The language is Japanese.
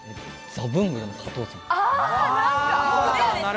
ザブングルの加藤さん。